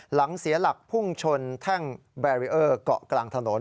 หลังเสียหลักพุ่งชนแท่งแบรีเออร์เกาะกลางถนน